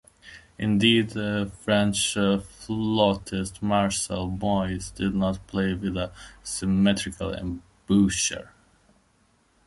Indeed, French flautist Marcel Moyse did not play with a symmetrical embouchure.